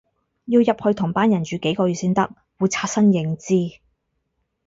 要入去同班人住幾個月先得，會刷新認知